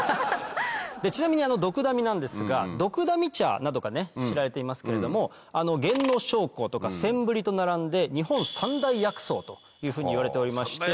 ちなみにあのドクダミなんですがドクダミ茶などが知られていますけれどもゲンノショウコとかセンブリと並んで日本三大薬草というふうにいわれておりまして。